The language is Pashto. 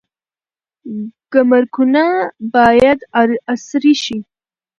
ګمرکونه باید عصري شي.